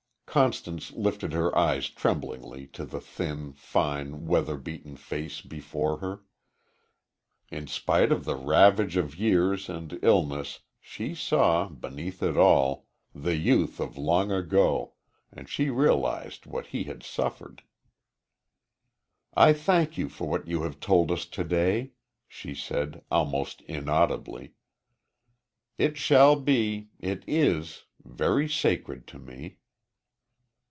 Constance lifted her eyes tremblingly to the thin, fine, weather beaten face before her. In spite of the ravage of years and illness she saw, beneath it all, the youth of long ago, and she realized what he had suffered. "I thank you for what you have told us to day," she said, almost inaudibly. "It shall be it is very sacred to me."